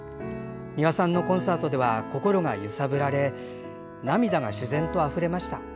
「美輪さんのコンサートでは心が揺さぶられ涙が自然とあふれました。